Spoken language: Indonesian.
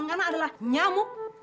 ini udah tisu